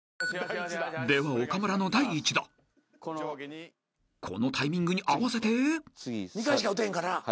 ［では岡村の第１打］［このタイミングに合わせて］２回しか打てへんからな。